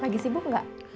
lagi sibuk gak